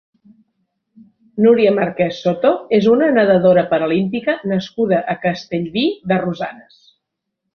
Núria Marquès Soto és una nadadora paralímpica nascuda a Castellví de Rosanes.